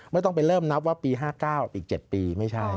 ไม่ต้องไปเริ่มนับว่าปี๕๙อีก๗ปีไม่ใช่